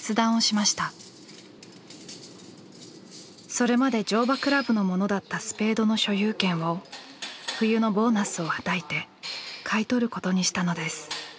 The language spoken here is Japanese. それまで乗馬倶楽部のものだったスペードの所有権を冬のボーナスをはたいて買い取ることにしたのです。